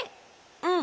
うん。